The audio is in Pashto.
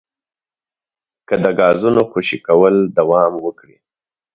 که د ګازونو خوشې کول دوام وکړي